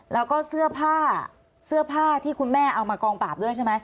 แล้วก็เสื้อผ้าเสื้อผ้าที่คุณแม่เอามากองปราบด้วยใช่ไหม